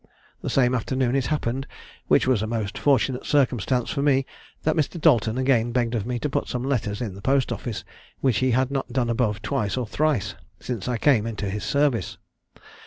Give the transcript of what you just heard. The same afternoon it happened (which was a most fortunate circumstance for me) that Mr. Dalton again begged of me to put some letters in the post office, which he had not done above twice or thrice since I came into his service.